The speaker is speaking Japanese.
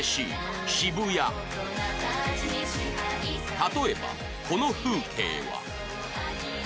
例えばこの風景は